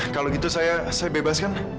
kalau gitu saya saya bebas kan